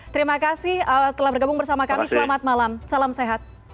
terima kasih telah bergabung bersama kami selamat malam salam sehat